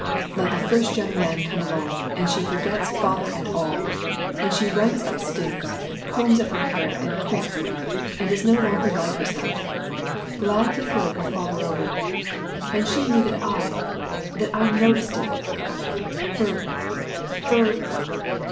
"Let the first young man come along, and she forgets father and all ! and she runs upstairs, combs up her hair and prinks, and is no longer like herself. Glad to throw her father over. And she knew that I — that I noticed it. Fr